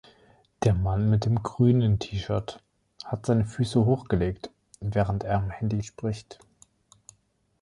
Der Mann mit dem grünen T-Shirt hat seine Füße hochgelegt, während er am Handy spricht.